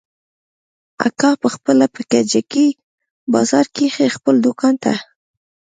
اکا پخپله په کجکي بازار کښې خپل دوکان ته ته.